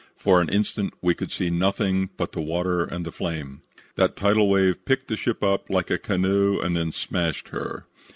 For an instant we could see nothing but the water and the flame. "That tidal wave picked the ship up like a canoe and then smashed her.